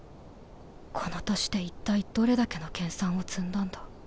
この年で一体どれだけの研鑽を積んだんだ